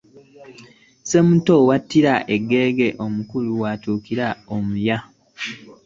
Ssemuto w'attira eggeege, omukulu w'attira omuya